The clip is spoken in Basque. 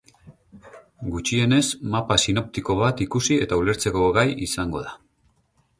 Gutxienez, mapa sinoptiko bat ikusi eta ulertzeko gai izango da.